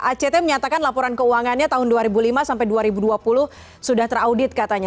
act menyatakan laporan keuangannya tahun dua ribu lima sampai dua ribu dua puluh sudah teraudit katanya